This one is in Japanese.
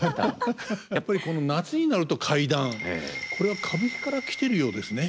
やっぱり夏になると怪談これは歌舞伎から来てるようですね。